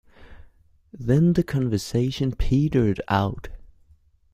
Then the conversation petered out.